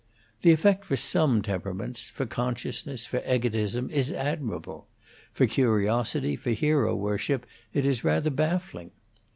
The effect for some temperaments, for consciousness, for egotism, is admirable; for curiosity, for hero worship, it is rather baffling.